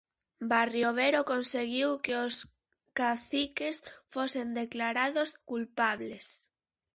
Barriobero conseguiu que os caciques fosen declarados culpables.